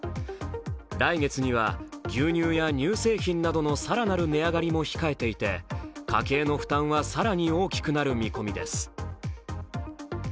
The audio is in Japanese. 来月には牛乳や乳製品などの更なる値上がりも控えていて家計の負担は更に大きくなる見込みです。